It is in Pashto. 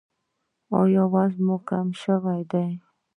ایا وزن مو کم شوی دی؟